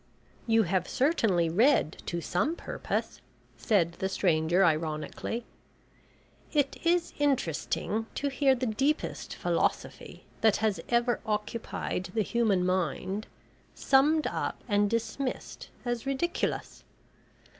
"You have certainly read to some purpose," said the stranger ironically. "It is interesting to hear the deepest philosophy that has ever occupied the human mind summed up and dismissed as ridiculous.